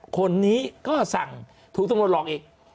คนนี้ก็สั่งถูกตำรวจหลอกอีก